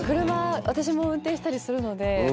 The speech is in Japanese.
車私も運転したりするので。